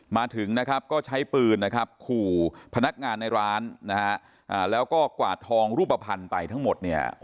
มาถึงนะครับก็ใช้ปืนขู่พนักงานในร้านแล้วก็กวาดทองรูปภัณฑ์ไปทั้งหมด